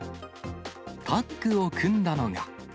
タッグを組んだのが。